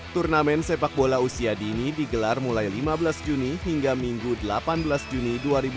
turnamen sepak bola usia dini digelar mulai lima belas juni hingga minggu delapan belas juni dua ribu dua puluh